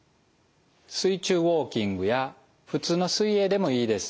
水中ウォーキングや普通の水泳でもいいです。